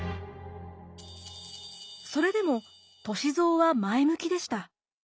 それでも歳三は前向きでした。